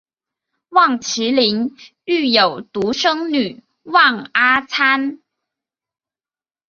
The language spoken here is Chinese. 望麒麟育有独生女望阿参。